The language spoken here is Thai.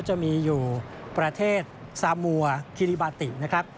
จะมีอยู่ประเทศซามัวคิริบาตินะครับ